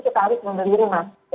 kita harus membeli rumah